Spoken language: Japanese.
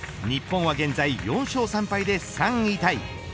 日本は現在４勝３敗で３位タイ。